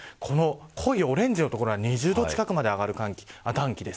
濃いオレンジの所は２０度ぐらいまで上がる暖気です。